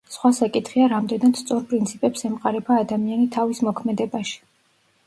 სხვა საკითხია რამდენად სწორ პრინციპებს ემყარება ადამიანი თავის მოქმედებაში.